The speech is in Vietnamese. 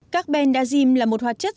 cabendazim là một hoạt chất